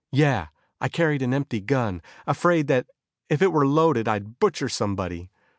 Yeah, I carried an empty gun, afraid that if it were loaded I'd butcher somebody.